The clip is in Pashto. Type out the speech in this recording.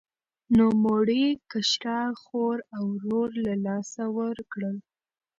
نوموړي کشره خور او ورور له لاسه ورکړل.